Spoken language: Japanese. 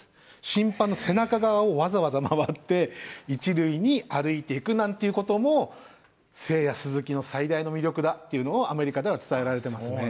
審判の背中側をわざわざ回って一塁に歩いていくなんていうこともセイヤ・スズキの最大の魅力だというのをアメリカでは伝えられてますね。